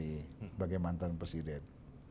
sebagai mantan presiden